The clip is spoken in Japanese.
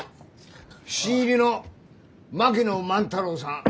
新入りの槙野万太郎さん。